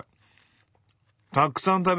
たくさん食べれる。